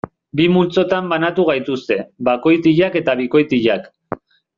Bi multzotan banatu gaituzte: bakoitiak eta bikoitiak.